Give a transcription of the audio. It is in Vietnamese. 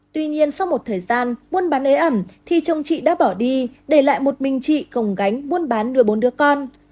tuy nhiên sau một thời gian muốn bán ế ẩm thì chồng chị đã bỏ đi để lại một mình chị gồng gánh muốn bán nuôi bốn đứa con